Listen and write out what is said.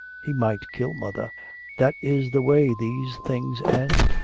He might kill mother that is the way these things end.